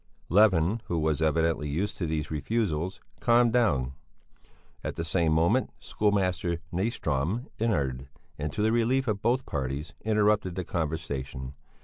Levin, who was evidently used to these refusals, calmed down. At the same moment schoolmaster Nyström entered, and, to the relief of both parties, interrupted the conversation.